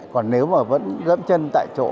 còn nếu mà vẫn gấm chân tại chỗ